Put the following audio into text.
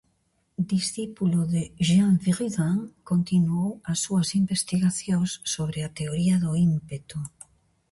Discípulo de Jean Buridan, continuou as súas investigacións sobre a "Teoría do ímpeto".